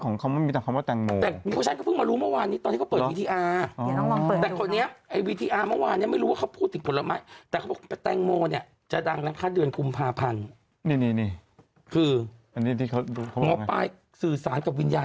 คนเราเอามาสรุปก่อนฟายปีไงแม่